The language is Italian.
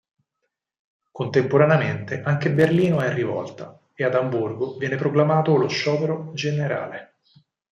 Contemporaneamente anche Berlino è in rivolta e ad Amburgo viene proclamato lo sciopero generale.